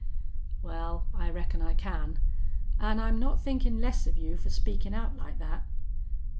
"Wal, I reckon I can. An' I'm not thinkin' less of you fer speakin' out like thet."